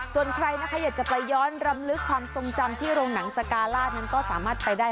ส่วนใครนะคะอยากจะไปย้อนรำลึกความทรงจำที่โรงหนังสการ่านั้นก็สามารถไปได้